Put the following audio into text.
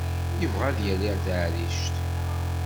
Yebɣa ad yali ar taɛrict.